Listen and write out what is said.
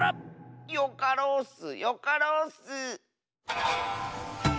よかろうッスよかろうッス！